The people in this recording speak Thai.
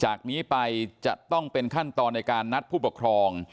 จากนี้ไปจะต้องเป็นขั้นตอนในการนัดผู้ปกครอง